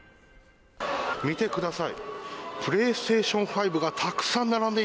見てください。